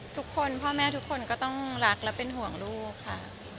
ทุกคนพ่อแม่ทุกคนก็ต้องรักและเป็นห่วงลูกค่ะ